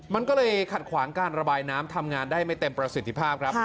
มันก็เลยขัดขวางการระบายน้ำทำงานได้ไม่เต็มประสิทธิภาพครับ